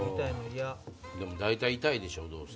でも大体痛いでしょどうせ。